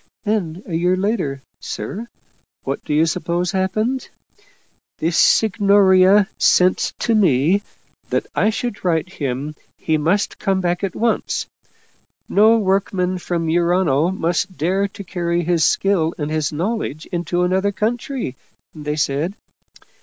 Then a year later, sir, what do you suppose happened? The Signoria sent to me that I should write 40 Paul Heyse him he must come back at once. No workman from Mu rano must dare to carry his skill and his knowledge into another country, they said.